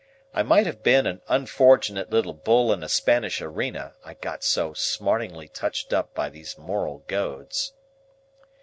I might have been an unfortunate little bull in a Spanish arena, I got so smartingly touched up by these moral goads.